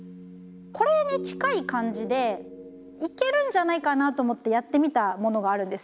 これに近い感じでいけるんじゃないかなと思ってやってみたものがあるんです。